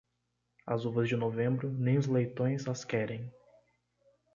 As uvas de novembro, nem os leitões, as querem.